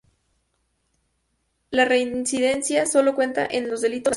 La reincidencia sólo cuenta en los delitos, no las faltas.